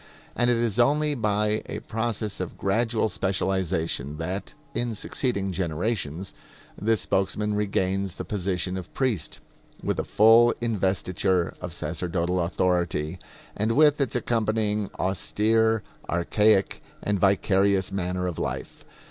And it is only by a process of gradual specialization that, in succeeding generations, this spokesman regains the position of priest, with a full investiture of sacerdotal authority, and with its accompanying austere, archaic and vicarious manner of life.